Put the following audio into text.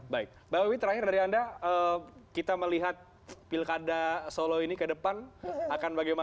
baik mbak wiwi terakhir dari anda kita melihat pilkada solo ini ke depan akan bagaimana